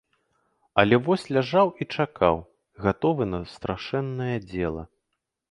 Але вось ляжаў і чакаў, гатовы на страшэннае дзела.